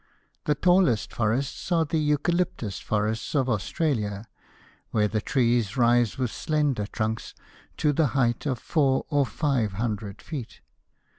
The tallest forests are the Eucalyptus forests of Australia, where the trees rise with slender trunks to the height of four or five hundred feet.